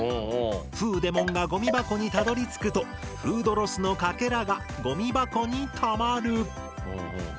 フーデモンがゴミ箱にたどりつくとフードロスのかけらがゴミ箱にたまる。